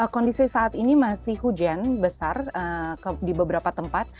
kondisi saat ini masih hujan besar di beberapa tempat